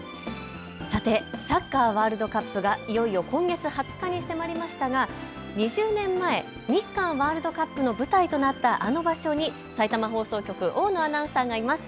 さてサッカーワールドカップがいよいよ今月２０日に迫りましたが、２０年前、日韓ワールドカップの舞台となったあの場所にさいたま放送局のアナウンサーがいます。